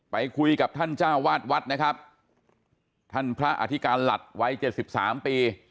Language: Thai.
ไปคุยกับท่านเจ้าวาดวัดนะครับท่านพระอธิการหลัดวัยเจ็ดสิบสามปี